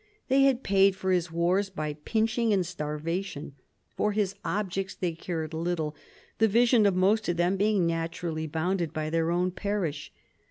They had paid for his wars by pinching and starvation ; for his objects they cared little, the vision of most of them being naturally bounded by their own parish.